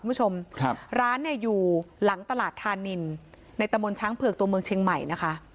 คุณผู้ชมครับร้านเนี่ยอยู่หลังตลาดธานินในตะมนต์ช้างเผือกตัวเมืองเชียงใหม่นะคะ